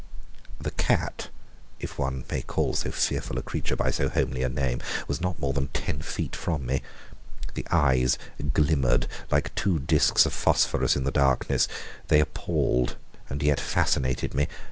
The cat (if one may call so fearful a creature by so homely a name) was not more than ten feet from me. The eyes glimmered like two disks of phosphorus in the darkness. They appalled and yet fascinated me.